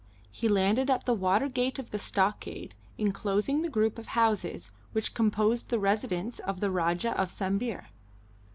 He landed at the water gate of the stockade enclosing the group of houses which composed the residence of the Rajah of Sambir.